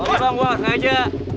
jangan bang gue ga sengaja